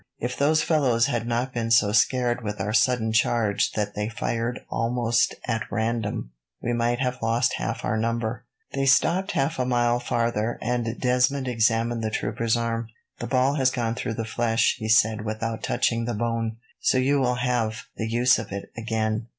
If those fellows had not been so scared with our sudden charge that they fired almost at random, we might have lost half our number." They stopped half a mile farther, and Desmond examined the trooper's arm. "The ball has gone through the flesh," he said, "without touching the bone, so you will soon have the use of it again."